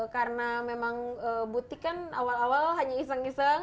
karena memang butik kan awal awal hanya iseng iseng